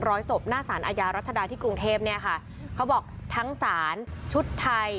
ร้อยศพหน้าสารอาญารัชดาที่กรุงเทพเนี่ยค่ะเขาบอกทั้งศาลชุดไทย